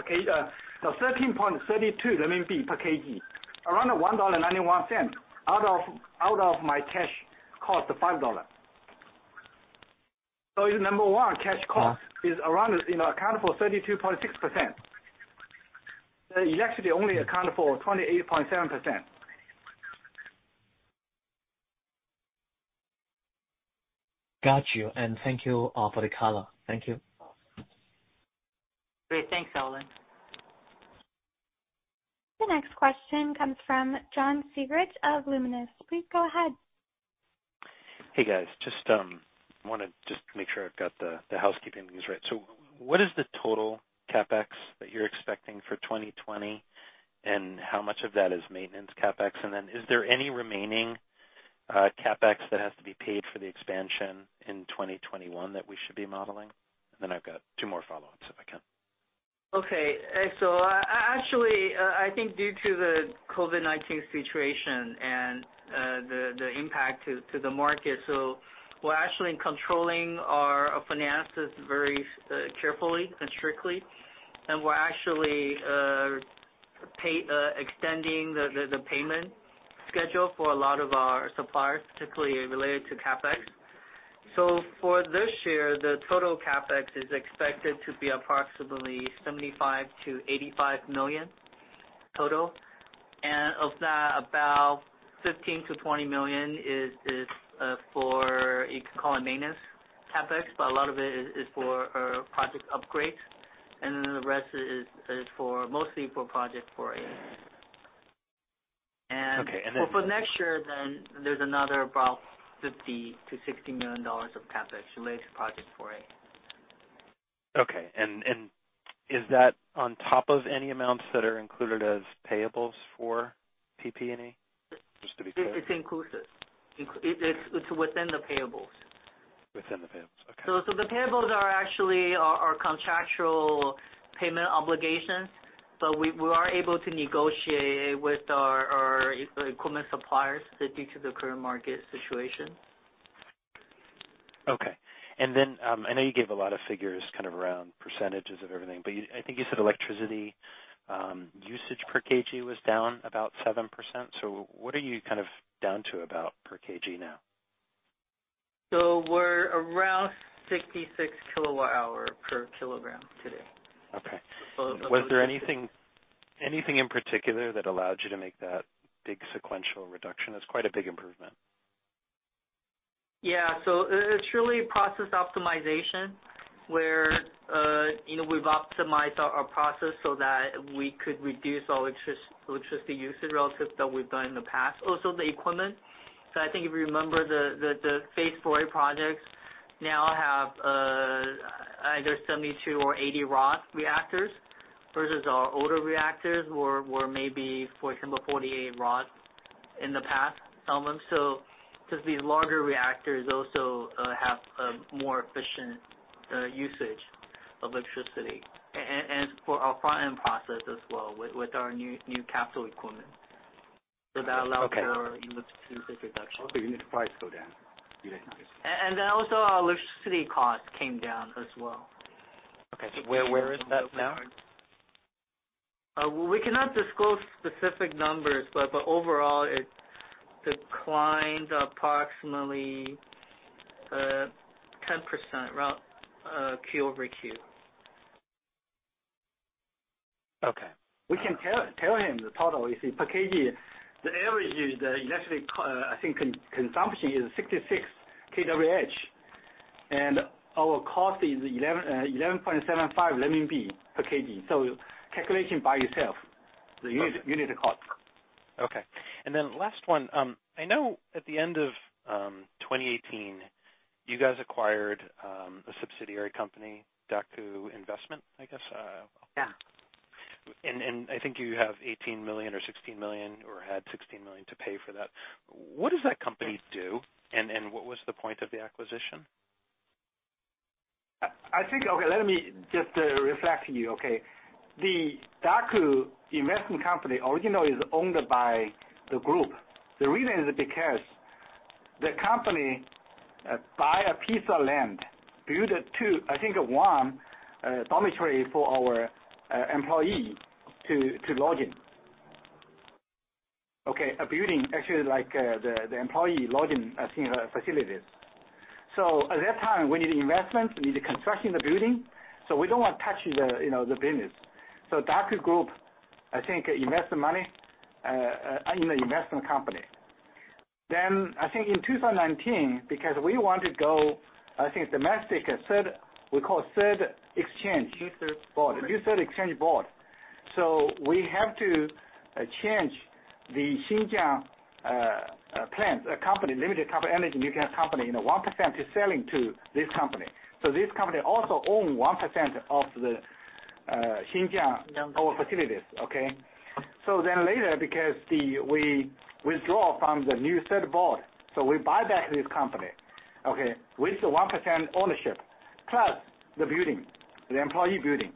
per kg, around $1.91 out of my cash cost of $5. Number one, cash cost. Uh- It is around, you know, account for 32.6%. It's actually only account for 28.7%. Got you. Thank you for the color. Thank you. Great. Thanks, Alan. The next question comes from John Segrich of Luminus. Please go ahead. Hey, guys. Just wanna make sure I've got the housekeeping things right. What is the total CapEx that you're expecting for 2020? How much of that is maintenance CapEx? Is there any remaining CapEx that has to be paid for the expansion in 2021 that we should be modeling? I've got two more follow-ups, if I can. Actually, I think due to the COVID-19 situation and the impact to the market, we're actually controlling our finances very carefully and strictly. We're actually extending the payment schedule for a lot of our suppliers, particularly related to CapEx. For this year, the total CapEx is expected to be approximately $75 million-$85 million. Of that, about $15 million-$20 million is for, you could call it maintenance CapEx, but a lot of it is for project upgrades. The rest is mostly for project. Okay. For next year then there's another about $50 million-$60 million of CapEx relates Phase 4A. Okay. Is that on top of any amounts that are included as payables for PP&E, just to be clear? It's inclusive. It's within the payables. Within the payables. Okay. The payables are actually contractual payment obligations, but we are able to negotiate with our equipment suppliers due to the current market situation. Okay. I know you gave a lot of figures kind of around percentages of everything, but I think you said electricity usage per kg was down about 7%. What are you kind of down to about per kg now? We're around 66 kWh per kg today. Okay. So. Was there anything in particular that allowed you to make that big sequential reduction? That's quite a big improvement. It's really process optimization where, you know, we've optimized our process so that we could reduce our electricity usage relative that we've done in the past. Also the equipment. I think if you remember the Phase 4A projects now have either 72- or 80-rod reactors versus our older reactors were maybe for example 48-rod in the past, some of them. Just these larger reactors also have a more efficient usage of electricity. And for our front-end process as well with our new capital equipment. Okay. -electricity reduction. Unit price go down. Also our electricity cost came down as well. Okay. Where is that now? We cannot disclose specific numbers, but overall it declined approximately 10% around quarter-over-quarter. Okay. We can tell him the total you see per kg. The average is the electric consumption is 66 kWh, and our cost is 11.75 per kg. Calculation by yourself the unit cost. Okay. Last one. I know at the end of 2018 you guys acquired a subsidiary company, Daqo Investment, I guess. Yeah. I think you have 18 million or 16 million or had 16 million to pay for that. What does that company do, and what was the point of the acquisition? I think Okay, let me just reflect to you, okay? The Daqo Investment Company original is owned by the Daqo Group. The reason is because the company buy a piece of land, build it to I think one dormitory for our employee to lodge in. Okay? A building actually like the employee lodging, you know, facilities. At that time we need investment. We need to construction the building, we don't want touch the, you know, the business. Daqo Group, I think, invest the money in the investment company. I think in 2019, because we want to go I think domestic New Third Board, we call third exchange- New Third. Board. New Third Board. We have to change the Xinjiang plant company, Xinjiang Daqo New Energy Company, you know, 1% is selling to this company. This company also own 1% of the Xinjiang. Yeah. Our facilities. Okay? Later because we withdraw from the New Third Board, we buy back this company, okay, with the 1% ownership, plus the building, the employee building.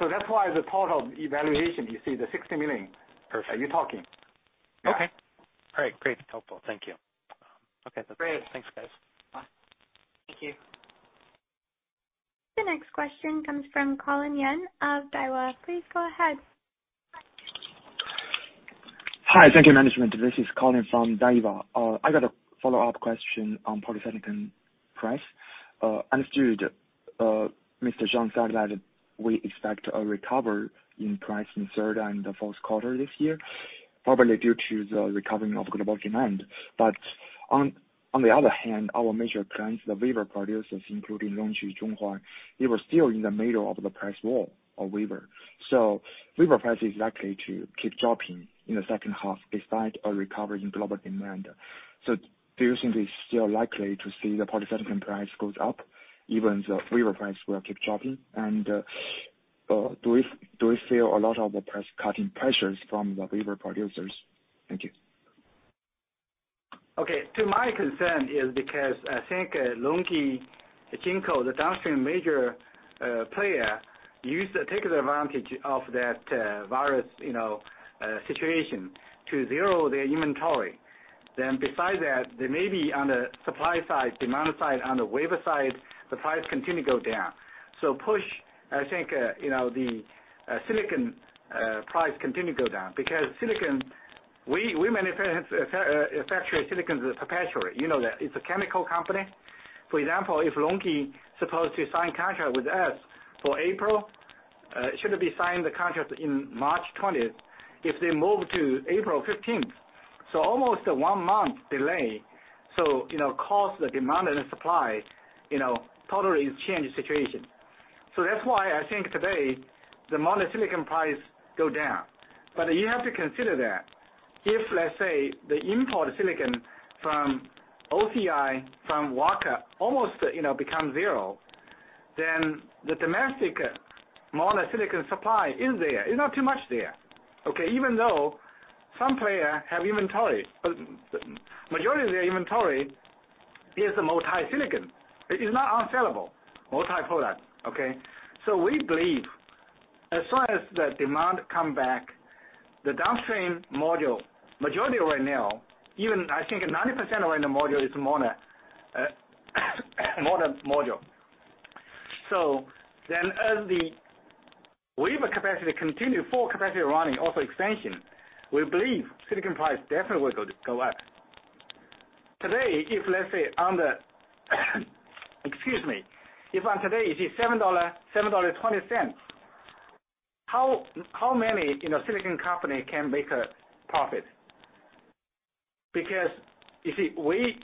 That's why the total evaluation you see the 60 million. Perfect. Are you talking? Okay. Great. Helpful. Thank you. Okay. That's it. Great. Thanks, guys. Bye. Thank you. The next question comes from Colin Yang of Daiwa. Please go ahead. Hi. Thank you, management. This is Colin from Daiwa. I got a follow-up question on polysilicon price. Mr. Zhang said that we expect a recover in price in third and fourth quarter this year, probably due to the recovering of global demand. On the other hand, our major clients, the wafer producers including LONGi, Zhonghuan, they were still in the middle of the price war of wafer. Wafer price is likely to keep dropping in the second half despite a recovery in global demand. Do you think it's still likely to see the polysilicon price goes up, even the wafer price will keep dropping? Do we feel a lot of the price cutting pressures from the wafer producers? Thank you. Okay. To my concern is because I think LONGi, Jinko, the downstream major player used to take the advantage of that virus, you know, situation to zero their inventory. Beside that, they may be on the supply side, demand side, on the wafer side, the price continue go down. Push I think, you know, the silicon price continue to go down because We manufacture polysilicon. You know that. It's a chemical company. For example, if LONGi supposed to sign contract with us for April, should be signed the contract in March 20th. If they move to April 15th, so almost one month delay, so, you know, cost, the demand and the supply, you know, totally change the situation. That's why I think today the mono-silicon price go down. You have to consider that if, let's say, the import silicon from OCI, from Wacker, almost, you know, become zero, then the domestic mono-silicon supply is there. It's not too much there, okay? Even though some player have inventory, but majority of their inventory is a multi-silicon. It is not unsellable, multi-product, okay? We believe as soon as the demand come back, the downstream module, majority right now, even I think 90% of the module is mono module. As the wafer capacity continue full capacity running, also expansion, we believe silicon price definitely will go up. Today, if let's say on today it is $7-$7.20, how many, you know, silicon company can make a profit? You see,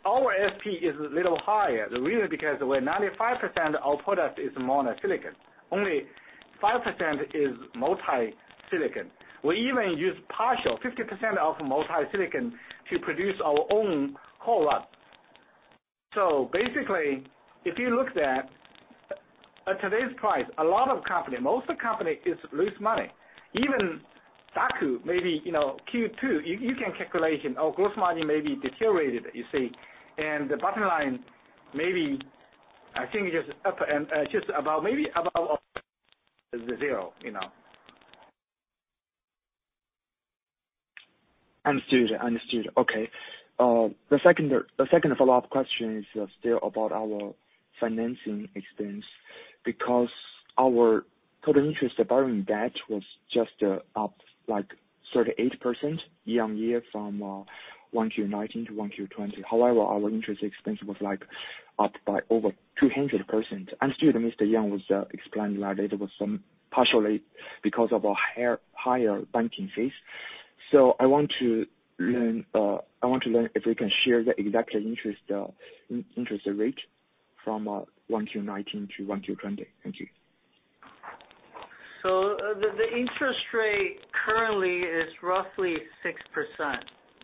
our SP is a little higher. The reason because we're 95% our product is mono-silicon. Only 5% is multi-silicon. We even use partial, 50% of multi-silicon to produce our own product. Basically, if you looked at today's price, a lot of company, most company is lose money. Even Daqo, maybe, you know, Q2, you can calculation our gross margin may be deteriorated, you see. The bottom line maybe I think is up and just about, maybe about the zero, you know. Understood. Understood. Okay. The second follow-up question is still about our financing expense because our total interest borrowing debt was just up like 38% year-on-year from 1Q 2019 to 1Q 2020. However, our interest expense was like up by over 200%. Understood Ming Yang was explaining that there was some partially because of higher banking fees. I want to learn if we can share the exact interest rate from 1Q 2019 to 1Q 2020. Thank you. The interest rate currently is roughly 6%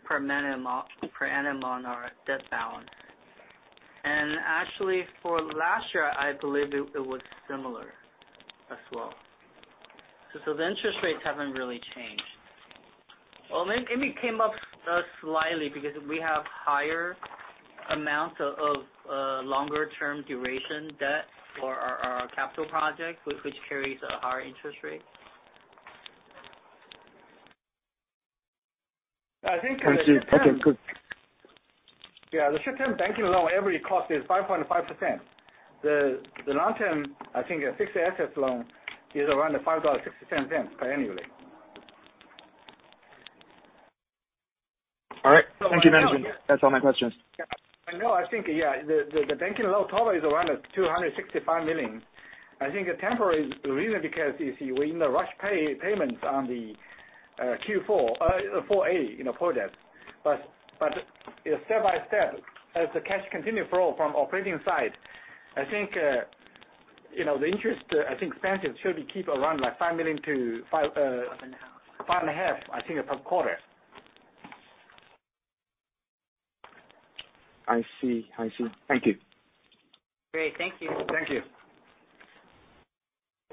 per annum on our debt balance. Actually for last year, I believe it was similar as well. The interest rates haven't really changed. Well, maybe it came up slightly because we have higher amount of longer term duration debt for our capital project which carries a higher interest rate. I think the short term. I see. Okay, good. Yeah, the short-term banking loan, average cost is 5.5%. The long-term, I think fixed assets loan is around CNY 5.60 per annually. All right. Thank you, management. That's all my questions. I know. I think the banking loan total is around 265 million. I think the temporary reason because you see we're in the rush pay payments on the Q4 Phase 4A, you know, projects. Step by step, as the cash continue flow from operating side, I think, you know, the interest expenses should be keep around like 5 million. 5.5%. 5.5%, I think, per quarter. I see. I see. Thank you. Great. Thank you. Thank you.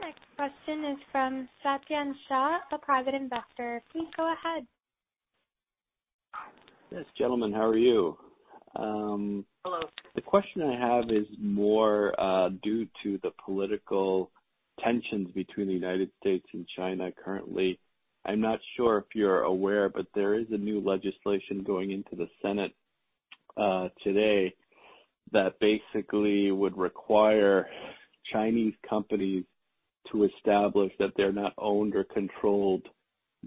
Next question is from Satyan Shaw, a private investor. Please go ahead. Yes, gentlemen. How are you? Hello. The question I have is more due to the political tensions between the U.S. and China currently. I'm not sure if you're aware, but there is a new legislation going into the Senate today that basically would require Chinese companies to establish that they're not owned or controlled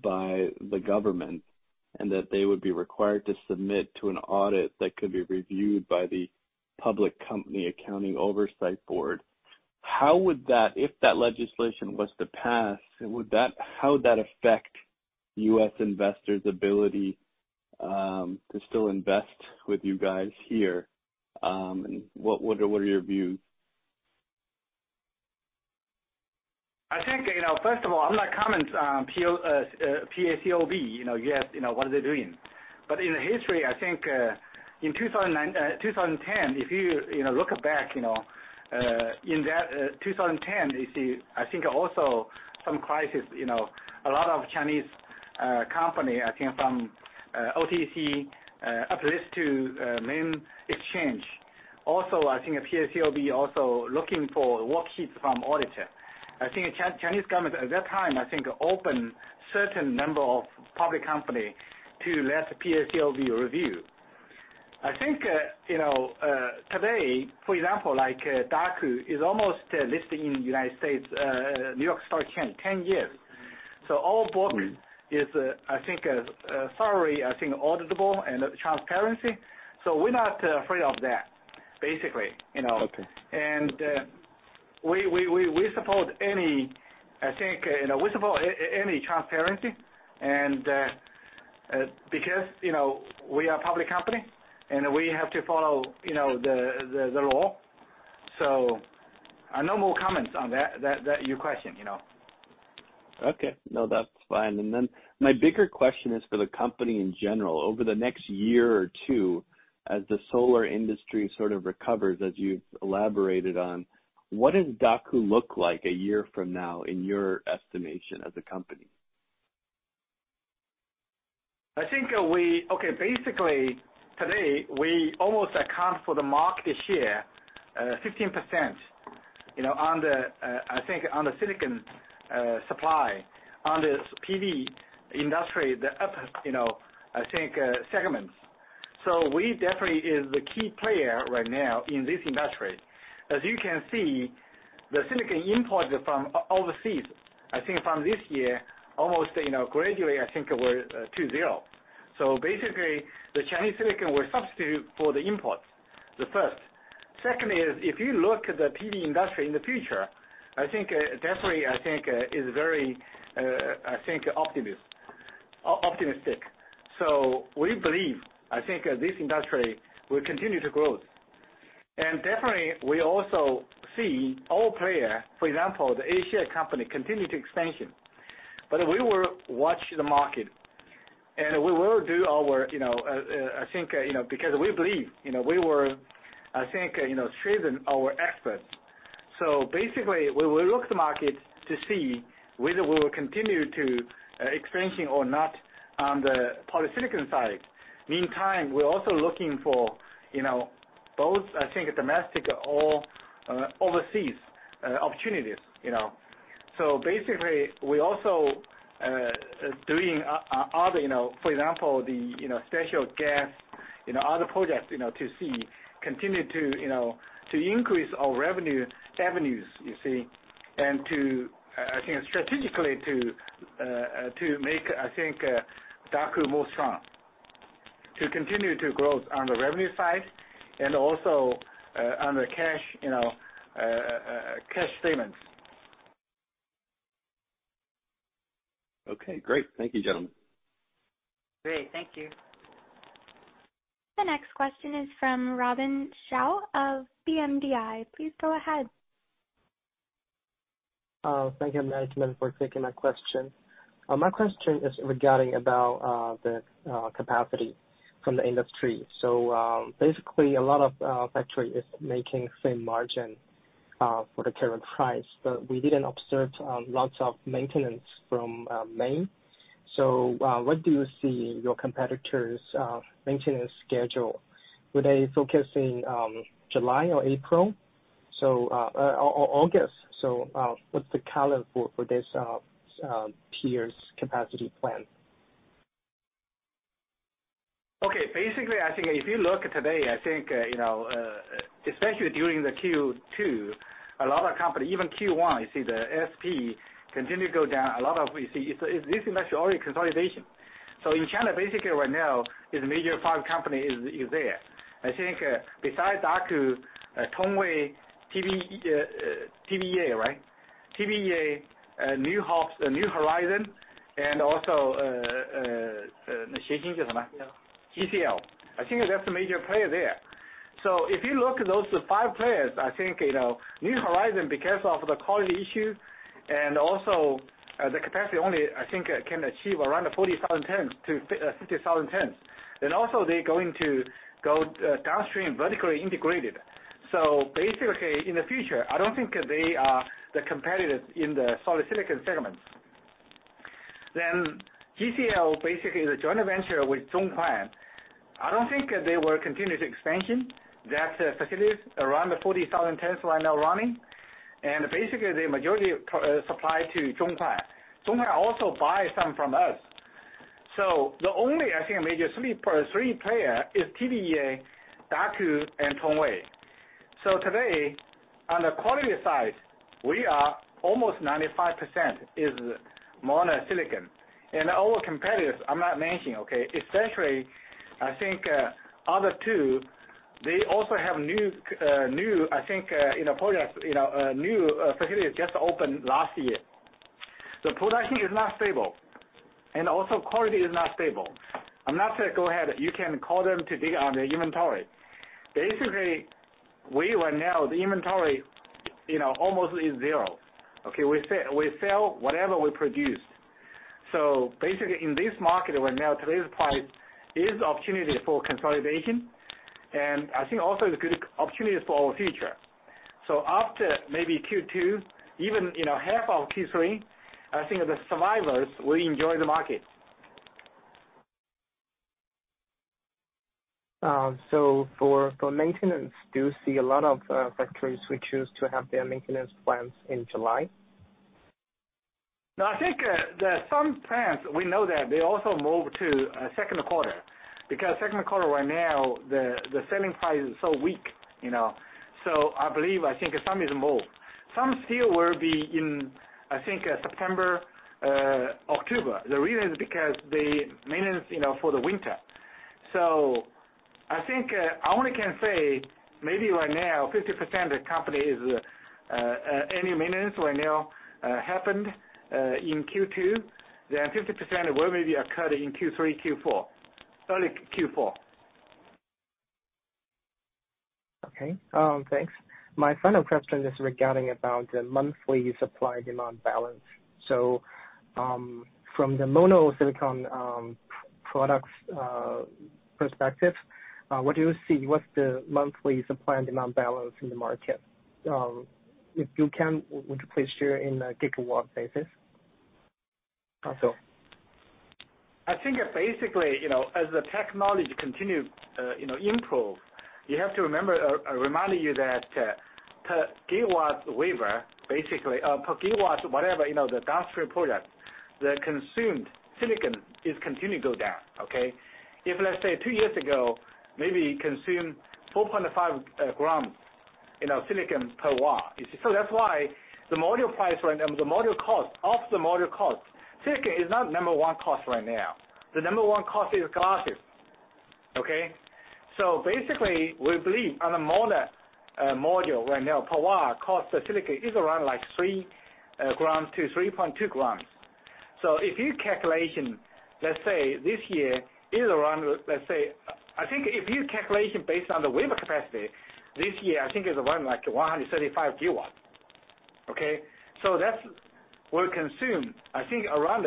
by the government, and that they would be required to submit to an audit that could be reviewed by the Public Company Accounting Oversight Board. If that legislation was to pass, how would that affect U.S. investors' ability to still invest with you guys here? What are your views? I think, you know, first of all I'm not comment on PCAOB. You know, you ask, you know, what are they doing? In the history, I think, in 2009, 2010, if you know, look back, you know, in that 2010, you see, I think also some crisis, you know. A lot of Chinese company, I think from OTC, apply this to main exchange. Also, I think PCAOB also looking for worksheets from auditor. I think Chinese government at that time, I think opened certain number of public company to let PCAOB review. I think, you know, today, for example, like Daqo is almost listed in U.S. New York Stock Exchange 10 years. -is, I think, thoroughly, I think, auditable and transparency. We're not afraid of that, basically, you know. Okay. We support any, I think, you know, we support any transparency because, you know, we are a public company, and we have to follow, you know, the law. No more comments on that, your question, you know. Okay. No, that's fine. My bigger question is for the company in general. Over the next year or two, as the solar industry sort of recovers, as you've elaborated on, what does Daqo look like a year from now in your estimation as a company? Today, we almost account for the market share, 15%, you know, on the silicon supply, on the PV industry, the upstream segments. We definitely is the key player right now in this industry. As you can see, the silicon imports from overseas, from this year, almost, you know, gradually were to zero. The Chinese silicon will substitute for the imports, the first. Second is if you look at the PV industry in the future, definitely is very optimistic. We believe this industry will continue to grow. Definitely, we also see all player, for example, the A-share company continue to expansion. We will watch the market, and we will do our, you know, I think, you know, because we believe, you know, we were I think, you know, driven our efforts. Basically, we will look the market to see whether we will continue to expansion or not on the polysilicon side. Meantime, we're also looking for, you know, both, I think, domestic or overseas opportunities, you know. Basically, we also doing other, you know, for example, the, you know, special gas, you know, other projects, you know, to see continue to, you know, to increase our revenues, you see, and to, I think strategically to make, I think, Daqo more strong, to continue to growth on the revenue side and also on the cash, you know, cash statements. Okay, great. Thank you, gentlemen. Great, thank you. The next question is from Robin Shao of BMDI. Please go ahead. Thank you management for taking my question. My question is regarding about the capacity from the industry. Basically, a lot of factory is making same margin for the current price, but we didn't observe lots of maintenance from May. What do you see your competitors maintenance schedule? Were they focusing July or April or August? What's the calendar for this peers capacity plan? Okay. Basically, I think if you look today, I think, you know, especially during the Q2, a lot of company, even Q1, you see the SP continue to go down. It's this industry already consolidation. In China, basically right now, the major five company is there. I think, besides Daqo, Tongwei, TBEA, right? TBEA, East Hope, and also. GCL. GCL. I think that's the major player there. If you look at those five players, I think, you know, New Horizon, because of the quality issue and also, the capacity only, I think, can achieve around 40,000 tons-50,000 tons. Also, they're going to go downstream, vertically integrated. Basically, in the future, I don't think they are the competitive in the solar silicon segments. GCL basically is a joint venture with Zhongneng. I don't think they will continue to expansion. That facility is around 40,000 tons right now running. Basically, the majority of supply to Zhongneng. Zhongneng also buy some from us. The only, I think, major three player is TBEA, Daqo and Tongwei. Today, on the quality side, we are almost 95% is mono-silicon. Our competitors, I'm not mentioning, okay. Essentially, I think, other two, they also have new, I think, you know, projects, you know, new facilities just opened last year. The production is not stable, and also quality is not stable. I'm not saying go ahead, you can call them to dig on their inventory. Basically, we right now the inventory, you know, almost is zero. Okay. We sell whatever we produce. Basically, in this market right now, today's price is opportunity for consolidation, and I think also is good opportunity for our future. After maybe Q2, even, you know, half of Q3, I think the survivors will enjoy the market. For maintenance, do you see a lot of factories which choose to have their maintenance plans in July? No, I think some plants, we know that they also move to second quarter because second quarter right now, the selling price is so weak, you know. I believe, I think some is moved. Some still will be in, I think, September, October. The reason is because the maintenance, you know, for the winter. I think I only can say maybe right now 50% of the company is annual maintenance right now, happened in Q2. 50% will maybe occur in Q3, Q4, early Q4. Okay. Thanks. My final question is regarding about the monthly supply-demand balance. From the mono-silicon products perspective, what do you see? What's the monthly supply and demand balance in the market? If you can, would you please share in a gigawatt basis also? I think basically, you know, as the technology continue, you know, improve, you have to remember, I remind you that, per gigawatt wafer basically, per gigawatt, whatever, you know, the downstream product, the consumed silicon is continue to go down. Okay. If let's say two years ago, maybe consume 4.5 grams in our silicon per watt. You see, that's why the module price right now, the module cost, silicon is not number one cost right now. The number one cost is glass. Okay. Basically, we believe on a module right now per watt cost of silicon is around like 3 grams-3.2 grams. If you calculation, let's say, this year is around, let's say I think if you calculation based on the wafer capacity this year, I think it's around like 135 GW. Okay? That's will consume, I think, around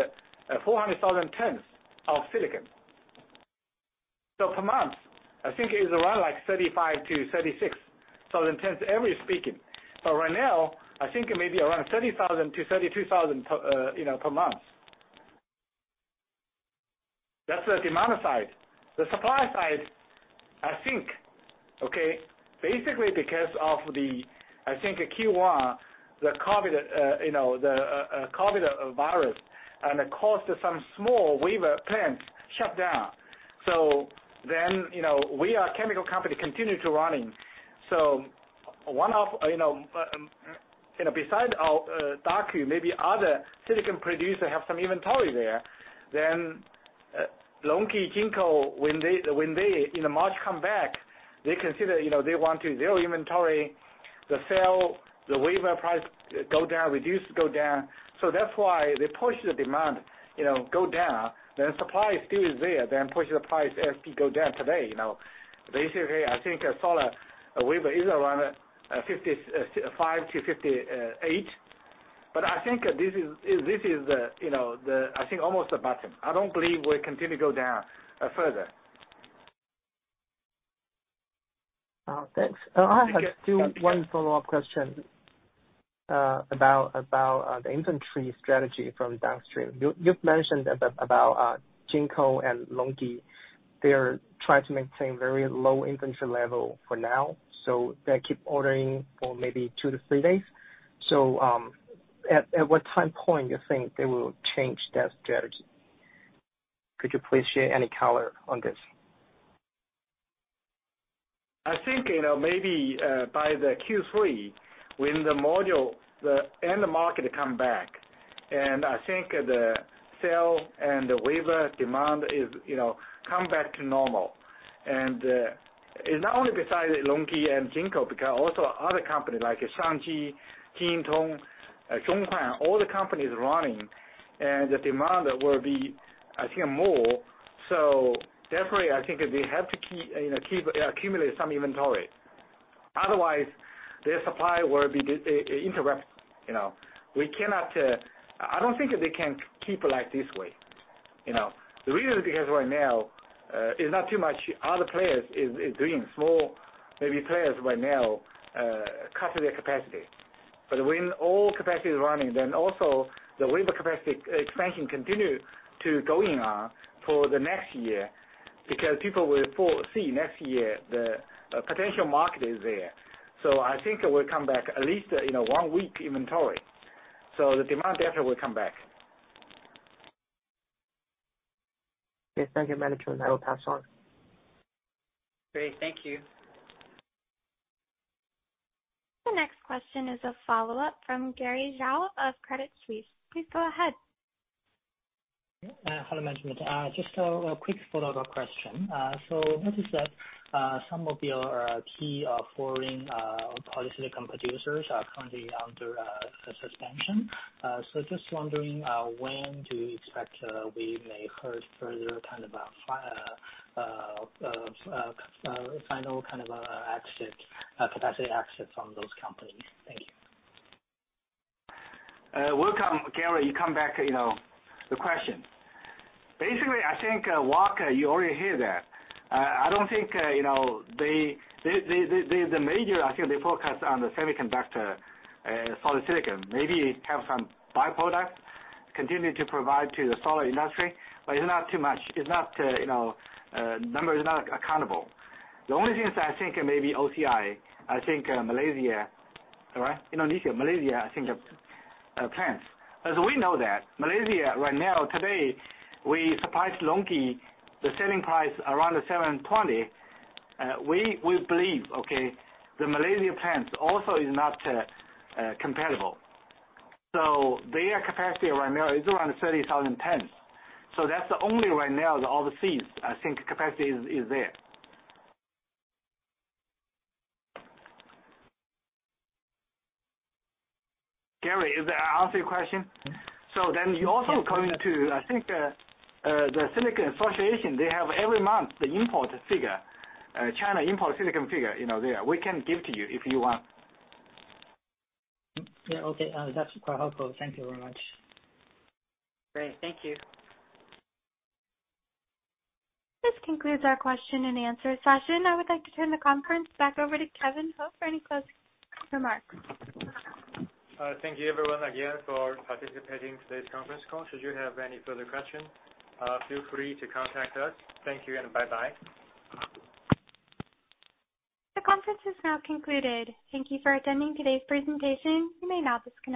400,000 tons of silicon. Per month, I think it is around like 35,000 tons-36,000 tons every speaking. Right now, I think it may be around 30,000 tons-32,000 tons per, you know, per month. That's the demand side. The supply side, I think, basically because of the, I think, Q1, the COVID-19, you know, the COVID-19 virus it caused some small wafer plants shut down. You know, we are chemical company continue to running. one of, you know, you know, beside our Daqo, maybe other silicon producer have some inventory there. LONGi, Jinko, when they in March come back, they consider, you know, they want to zero inventory. The wafer price go down, reduce, go down. That's why they push the demand, you know, go down. Supply still is there, push the price SP go down today, you know. Basically, I think solar wafer is around 55-58. I think this is the, you know, the, I think almost the bottom. I don't believe will continue to go down further. Thanks. Okay. I have still one follow-up question about the inventory strategy from downstream. You've mentioned about Jinko and LONGi. They're trying to maintain very low inventory level for now, so they keep ordering for maybe two to three days. At what time point you think they will change that strategy? Could you please share any color on this? I think, you know, maybe by the Q3, when the module and the market come back, I think the sale and the wafer demand is, you know, come back to normal. Not only besides LONGi and Jinko, because also other company like Shangji, Jinglong, Zhonghuan, all the companies running, the demand will be, I think, more. Definitely I think they have to you know, keep, accumulate some inventory. Otherwise, their supply will be interrupt, you know. We cannot I don't think they can keep like this way, you know. The reason is because right now, it's not too much other players is doing small. Maybe players right now cut their capacity. When all capacity is running, then also the wafer capacity expansion continue to going on for the next year because people will foresee next year the potential market is there. I think it will come back at least, you know, one week inventory. The demand definitely will come back. Yes. Thank you, management. I will pass on. Great. Thank you. The next question is a follow-up from Gary Zhou of Credit Suisse. Please go ahead. Hello, management. Just a quick follow-up question. Notice that some of your key foreign polysilicon producers are currently under a suspension. Just wondering when do you expect we may hear further kind of final capacity exit from those companies? Thank you. Welcome, Gary. You come back, you know, the question. Basically, I think, Wacker, you already hear that. I don't think, you know, they, the major, I think they focus on the semiconductor solar silicon. Maybe have some by-product continue to provide to the solar industry, but it's not too much. It's not, you know, number is not accountable. The only thing is I think maybe OCI, I think, Malaysia, right? Indonesia, Malaysia, I think have plants. As we know that Malaysia right now today we supplies LONGi the selling price around the 720. We believe, okay, the Malaysia plants also is not competitive. Their capacity right now is around 30,000 tons. That's the only right now the overseas I think capacity is there. Gary, does that answer your question? You also going to, I think, the Silicon Association, they have every month the import figure, China import silicon figure, you know, there. We can give to you if you want. Yeah, okay. That's quite helpful. Thank you very much. Great. Thank you. This concludes our question and answer session. I would like to turn the conference back over to Kevin He for any close remarks. Thank you everyone again for participating today's conference call. Should you have any further questions, feel free to contact us. Thank you and bye-bye. The conference is now concluded. Thank you for attending today's presentation. You may now disconnect.